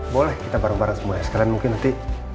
boleh kita bareng bareng semua ya sekarang mungkin nanti